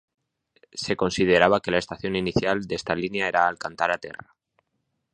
Se consideraba que la estación inicial de esta línea era Alcântara-Terra.